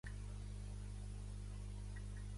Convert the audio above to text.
El nom és Omar: o, ema, a, erra.